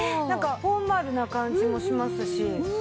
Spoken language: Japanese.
なんかフォーマルな感じもしますし。